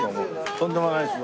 とんでもないです。